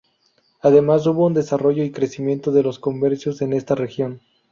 Además, hubo un desarrollo y crecimiento de los comercios en esta región.